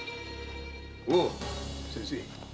おう先生。